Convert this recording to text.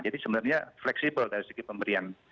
jadi sebenarnya fleksibel dari segi pemberian